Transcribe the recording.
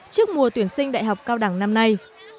trước mùa tuyển sinh đại học cao đẳng năm nay